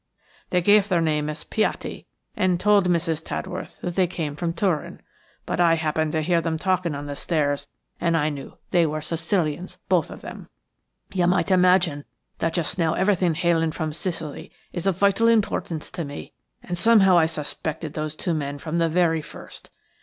"They gave their name as Piatti, and told Mrs. Tadworth that they came from Turin. But I happened to hear them talking on the stairs, and I knew that they were Sicilians, both of them. "You may well imagine that just now everything hailing from Sicily is of vital importance to me, and somehow I suspected those two men from the very first.